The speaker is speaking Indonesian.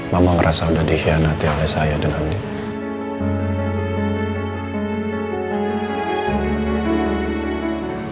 mama ngerasa udah dikhianati oleh saya dan andin